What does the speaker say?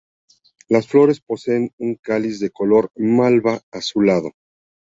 Las flores poseen un cáliz de color malva-azulado.